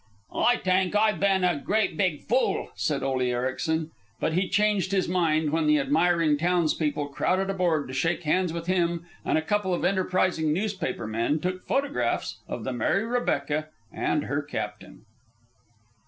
"Ay tank Ay ban a great big fool," said Ole Ericsen. But he changed his mind when the admiring townspeople crowded aboard to shake hands with him, and a couple of enterprising newspaper men took photographs of the Mary Rebecca and her captain.